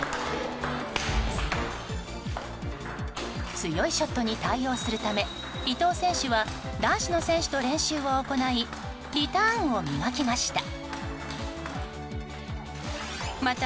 強いショットに対応するため伊藤選手は男子の選手と練習を行いリターンを磨きました。